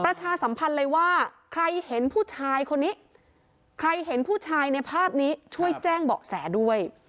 ประชาสัมพันธ์เลยว่าใครเห็นผู้ชายคนนี้ใครเห็นผู้ชายในภาพนี้ช่วยแจ้งเบาะแสด้วย